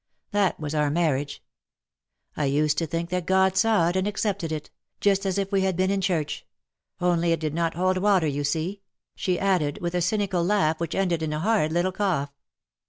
That was our marriage. I used to think that God saw it, and accepted it — just as if we had been in church : only it did not hold water, you see/' she added, with a cynical laugh, which ended in a hard little cough.